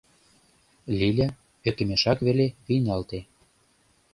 Лиля ӧкымешак веле вийналте.